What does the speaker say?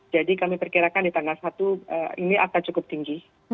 jadi kami perkirakan di tanggal satu ini akan cukup tinggi